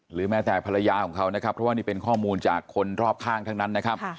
หรือแม้แต่ภรรยาของเขาเพราะว่านี่เป็นข้อมูลจากคนรอบข้างทั้งนั้น